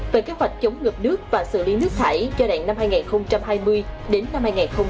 về kế hoạch chống ngập nước và xử lý nước thải giai đoạn năm hai nghìn hai mươi đến năm hai nghìn ba mươi